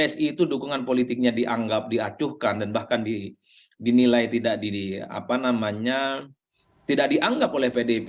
psi itu dukungan politiknya dianggap diacuhkan dan bahkan dinilai tidak dianggap oleh pdip